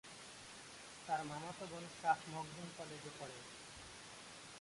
তার মামাতো বোন শাহ মখদুম কলেজে পড়ে।